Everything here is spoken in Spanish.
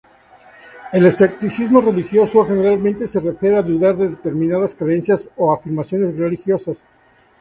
El escepticismo religioso generalmente se refiere a dudar de determinadas creencias o afirmaciones religiosas.